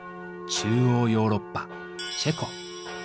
中欧ヨーロッパチェコ。